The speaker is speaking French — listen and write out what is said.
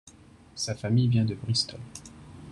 Sa famille vient de Bristol.